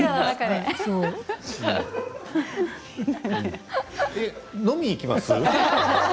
今日、飲みに行きますか。